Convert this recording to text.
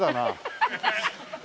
ハハハハ。